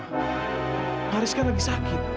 pak haris kan lagi sakit